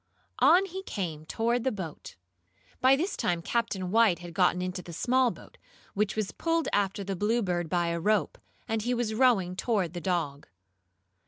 On he came toward the boat. By this time Captain White had gotten into the small boat, which was pulled after the Bluebird, by a rope, and he was rowing toward the dog.